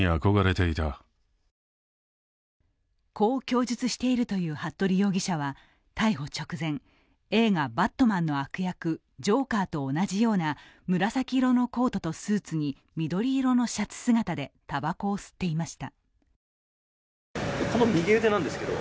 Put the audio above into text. こう供述しているという服部容疑者は逮捕直前、映画「バットマン」の悪役、ジョーカーと同じような紫色のコートとスーツに緑色のシャツ姿でたばこを吸っていました。